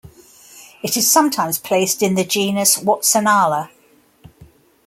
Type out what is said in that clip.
It is sometimes placed in the genus "Watsonalla".